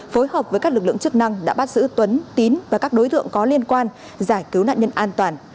phối hợp với các lực lượng chức năng đã bắt giữ tuấn tín và các đối tượng có liên quan giải cứu nạn nhân an toàn